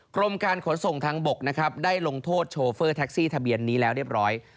กรมการขนส่งทางบกนะครับได้ลงโทษโชเฟอร์แท็กซี่ทะเบียนนี้แล้วเรียบร้อย